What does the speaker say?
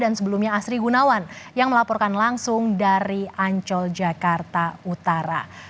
dan sebelumnya astri gunawan yang melaporkan langsung dari ancol jakarta utara